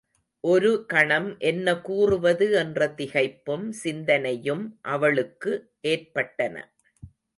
ஒரு கணம் என்ன கூறுவது என்ற திகைப்பும் சிந்தனையும் அவளுக்கு ஏற்பட்டன.